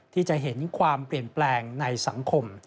ที่จะเห็นความเปลี่ยนแปลงในสังคม